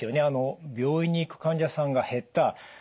あの病院に行く患者さんが減った。